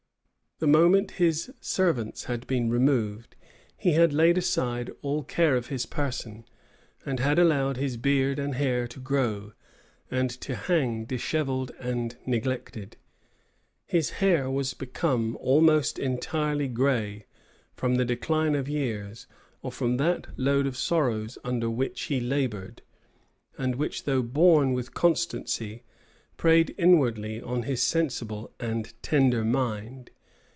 The moment his servants had been removed, he had laid aside all care of his person, and had allowed his beard and hair to grow, and to hang dishevelled and neglected. His hair was become almost entirely gray, either from the decline of years, or from that load of sorrows under which he labored; and which, though borne with constancy, preyed inwardly on his sensible and tender mind.